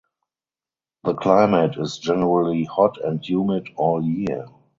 The climate is generally hot and humid all year.